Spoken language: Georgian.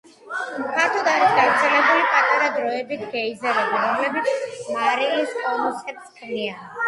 ფართოდ არის გავრცელებული პატარა, დროებითი გეიზერები, რომლებიც მარილის კონუსებს ქმნიან.